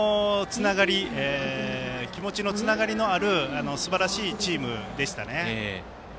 気持ちのつながりのあるすばらしいチームでした。